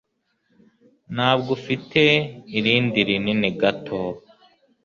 Ntabwo ufite irindi rinini gato?